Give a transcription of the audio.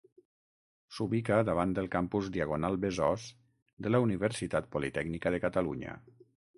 S'ubica davant del campus Diagonal-Besòs de la Universitat Politècnica de Catalunya.